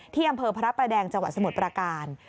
ที่อำเภอพระประแดงจังหวัดสมุทรประการ